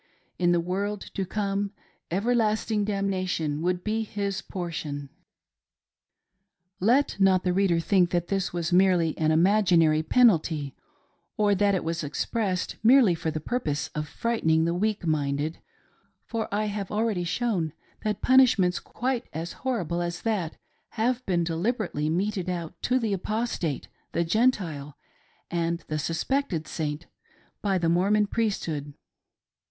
In the world to come, everlasting damnation would be his portion. Let not the reader think that this was merely an imaginary penalty, or that it was expressed merely for the purpose of frightening the weak minded, for I have already shown that punishments quite as horrible as that have been deliberately meted out to the Apostate, the Gentile, and the suspected Saint by the Mormon Priesthood.